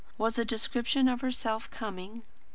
Was a description of herself coming?